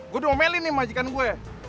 gue udah mau melin nih majikan gue